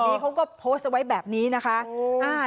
เพจนี้เขาก็โพสต์ไว้แบบนี้นะคะโอ้โห